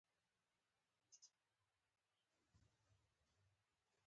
الحمدلله بیا هم الحمدلله.